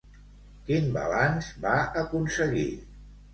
Quin balanç va aconseguir?